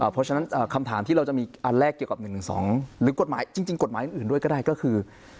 เพราะฉะนั้นคำถามที่เราจะมีอันแรกเกี่ยวกับ๑๑๒หรือกฎหมายจริงกฎหมายอื่นด้วยก็ได้ก็คือ